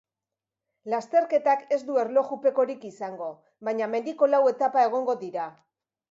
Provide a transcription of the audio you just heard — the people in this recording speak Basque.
Lasterketak ez du erlojupekorik izango, baina mendiko lau etapa egongo dira.